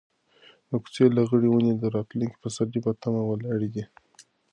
د کوڅې لغړې ونې د راتلونکي پسرلي په تمه ولاړې دي.